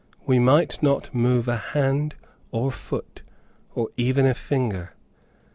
We might not move a hand or foot, or even a finger.